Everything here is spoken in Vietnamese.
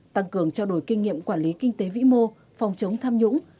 tăng cường trao đổi kinh nghiệm quản lý kinh tế vĩ mô phòng chống tham nhũng